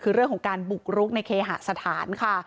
คือเรื่องของการบุกรุกในเคหสถานค่ะ